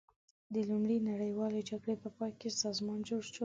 د لومړۍ نړیوالې جګړې په پای کې سازمان جوړ شو.